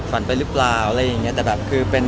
ตอนนี้เขารู้เขาสลับซึง